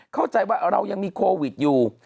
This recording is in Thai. เข้าใจว่าเรายังมีโควิดอยู่